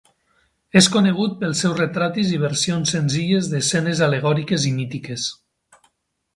És conegut pels seus retratis i versions senzilles d'escenes al·legòriques i mítiques.